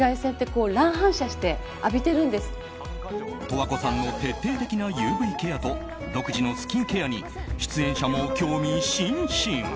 十和子さんの徹底的なＵＶケアと独自のスキンケアに出演者も興味津々。